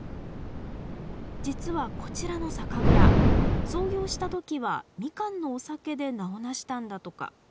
実はこちらの酒蔵創業した時はみかんのお酒で名を成したんだとか。